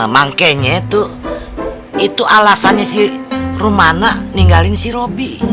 mangkenya tuh itu alasannya si rumana ninggalin si robi